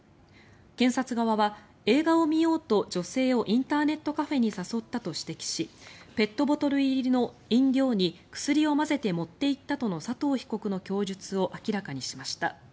検察側は映画を見ようと女性をインターネットカフェに誘ったと指摘しペットボトル入りの飲料に薬を混ぜて持って行ったとの佐藤被告の供述を明らかにしました。